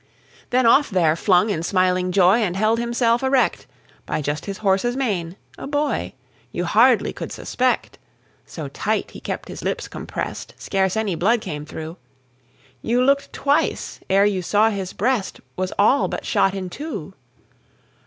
Then off there flung in smiling joy, And held himself erect By just his horse's mane, a boy: You hardly could suspect (So tight he kept his lips compress'd, Scarce any blood came through) You look'd twice ere you saw his breast Was all but shot in two.